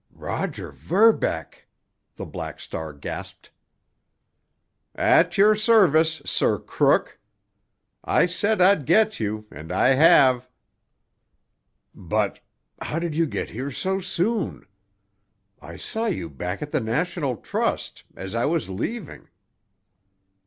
"Roger Verbeck!" the Black Star gasped. "At your service, Sir Crook! I said I'd get you, and I have!" "But—— How did you get here so soon? I saw you back at the National Trust—as I was leaving."